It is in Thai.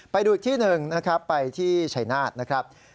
ไปดูอีกที่หนึ่งนะครับไปที่ชัยนาธนะครับ